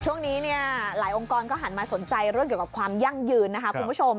ช่วงนี้เนี่ยหลายองค์กรก็หันมาสนใจเรื่องเกี่ยวกับความยั่งยืนนะคะคุณผู้ชม